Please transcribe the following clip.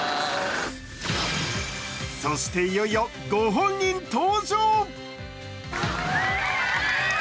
そして、いよいよご本人登場。